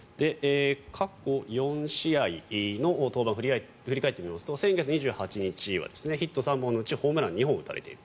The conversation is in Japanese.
過去４試合の登板を振り返ってみますと先月２８日はヒット３本のうちホームランを２本打たれている。